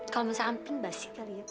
kalau misalnya pink basti kali ya